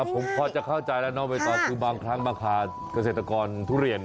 ผมพอจะเข้าใจแล้วบางครั้งมาขาเกษตรกรทุเรียน